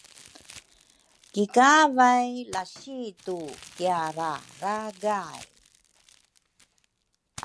kikavay lasitu kiarararagay.